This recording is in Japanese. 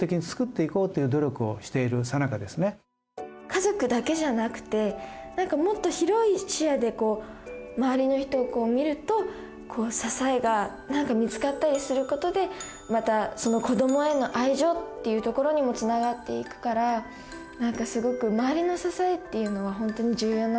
家族だけじゃなくて何かもっと広い視野で周りの人を見ると支えが何か見つかったりすることでまたその子どもへの愛情っていうところにもつながっていくから何かすごく周りの支えっていうのは本当に重要なんだなって思いました。